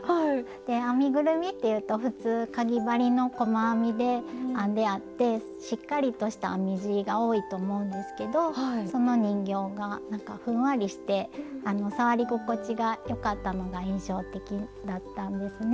編みぐるみっていうと普通かぎ針の細編みで編んであってしっかりとした編み地が多いと思うんですけどその人形がなんかふんわりして触り心地がよかったのが印象的だったんですね。